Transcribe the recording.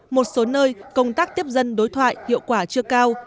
một số nơi công tác tiếp dân đối thoại hiệu quả chưa cao